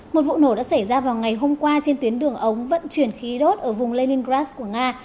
một vụ nổ đã xảy ra vào ngày hôm qua trên tuyến đường ống vận chuyển khí đốt ở vùng leningras của nga